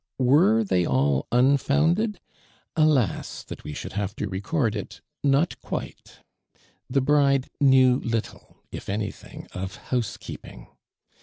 Were they all unfounded? Alas! that we should have to record it — not((uite. The bride knew little, if anything, of liouse keeping.